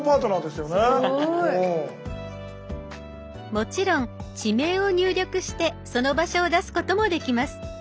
もちろん地名を入力してその場所を出すこともできます。